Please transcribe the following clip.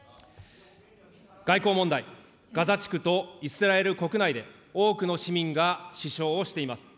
外交問題、ガザ地区とイスラエル国内で多くの市民が死傷をしています。